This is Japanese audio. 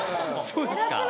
そうですか？